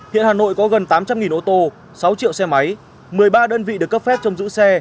hiện hà nội có gần tám trăm linh ô tô sáu triệu xe máy một mươi ba đơn vị được cấp phép trong giữ xe